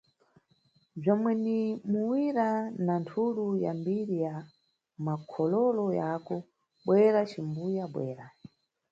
Bzomwe ni muwira na nthulu ya mbiri ya makhololo yako, bwera, cimbuya, bwera.